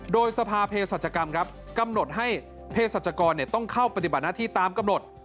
โดยสภาเพศรัชกรรมครับกำหนดให้เพศรัชกรต้องเข้าปฏิบัติหน้าที่ตามกำหนด